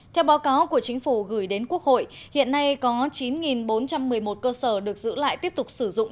theo báo cáo của chính phủ gửi đến quốc hội hiện nay có chín bốn trăm một mươi một cơ sở được giữ lại tiếp tục sử dụng